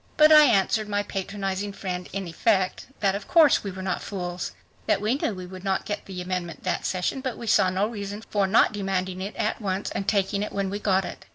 But I answered my patronizing friend, in effect, that of course we were not fools, that we knew we would not get the amendment that session, but we saw no reason for not demanding it at once and taking it when we got it.